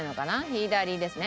左ですね。